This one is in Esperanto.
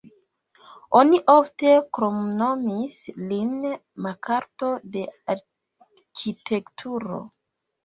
Oni ofte kromnomis lin "Makarto de arkitekturo".